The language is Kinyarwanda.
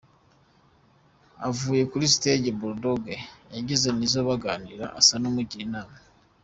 Avuye kuri stage, Bull Dogg yegeye Nizzo baganira asa n'umugira inama.